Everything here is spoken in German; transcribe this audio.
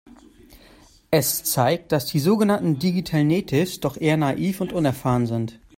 Es zeigt, dass die sogenannten Digital Natives doch eher naiv und unerfahren sind.